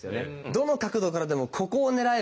どの角度からでもここを狙えば。